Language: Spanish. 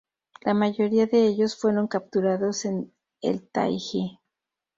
La mayoría de ellos fueron capturados en el Taiji.